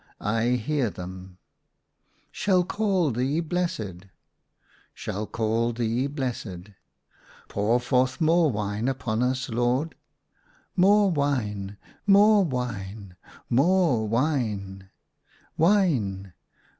/ hear them" " shall call thee blessed." ACROSS MY BED. 143 " Shall call thee blessed." " Pour forth more wine upon us, Lord." *' More wine." " More wine." " More wine !"" Wine !!